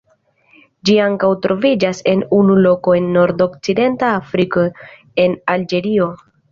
Ĝi ankaŭ troviĝas en unu loko en nordokcidenta Afriko en Alĝerio.